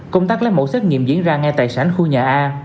công tác lấy mẫu xét nghiệm diễn ra ngay tại sảnh khu nhà a